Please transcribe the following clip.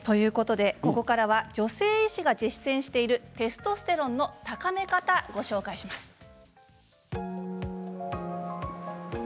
ここからは女性医師が実践しているテストステロンの高め方をご紹介します。